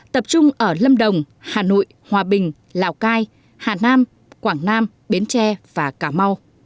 tập trung ở lâm đồng hà nội hòa bình lào cai hà nam quảng nam bến tre và cà mau